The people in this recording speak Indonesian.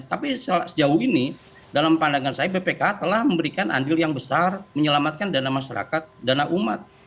tapi sejauh ini dalam pandangan saya bpkh telah memberikan andil yang besar menyelamatkan dana masyarakat dana umat